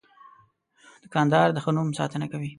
دوکاندار د ښه نوم ساتنه کوي.